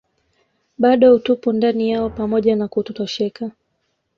bado utupu ndani yao pamoja na kutotosheka